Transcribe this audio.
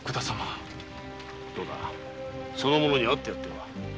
どうだその者に会ってやっては？